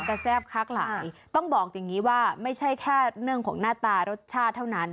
แซ่บค้าขายต้องบอกอย่างนี้ว่าไม่ใช่แค่เรื่องของหน้าตารสชาติเท่านั้น